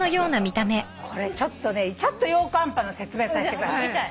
これちょっとねちょっとようかんパンの説明させてください。